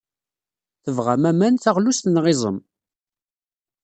Tebɣam aman, taɣlust neɣ iẓem?